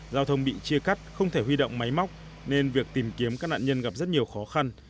giao thông bị chia cắt không thể huy động máy móc nên việc tìm kiếm các nạn nhân gặp rất nhiều khó khăn